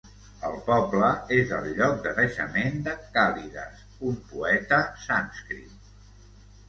El poble és el lloc de naixement de Kalidas, un poeta sànscrit.